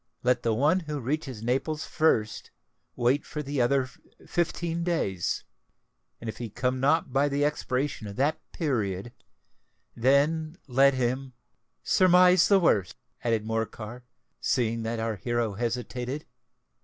Let the one who reaches Naples first wait for the other fifteen days; and, if he come not by the expiration of that period, then let him——" "Surmise the worst," added Morcar, seeing that our hero hesitated.